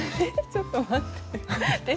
ちょっと待って。